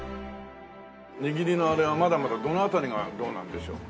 握りのあれはまだまだどの辺りがどうなんでしょう？